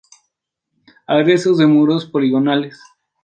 Hay restos de muros poligonales.